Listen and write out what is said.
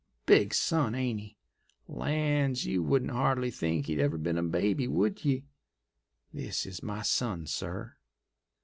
Big son, ain't he? Lands! you wouldn't hardly think he'd ever been a baby, would ye? This is my son, sir."